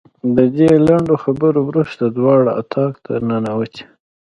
د دې لنډو خبرو وروسته دواړه اتاق ته ننوتې.